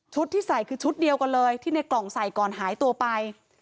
ที่ใส่คือชุดเดียวกันเลยที่ในกล่องใส่ก่อนหายตัวไป